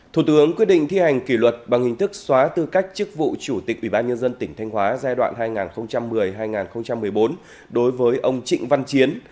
thủ tướng quyết định thi hành kỷ luật bằng hình thức xóa tư cách chức vụ chủ tịch ủy ban nhân dân tỉnh thanh hóa giai đoạn hai nghìn một mươi hai nghìn một mươi bốn đối với ông trịnh văn chiến